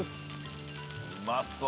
うまそう。